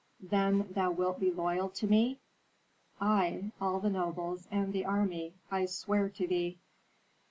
"Then thou wilt be loyal to me?" "I, all the nobles, and the army, I swear to thee."